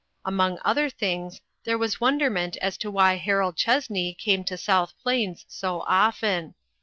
Among other things, there was wonderment as to why Harold Chessney came to South Plains so often.